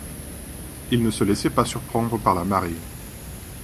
Il ne se laissait pas surprendre par la marée.